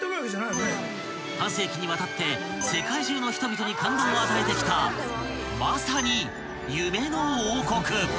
［半世紀にわたって世界中の人々に感動を与えてきたまさに］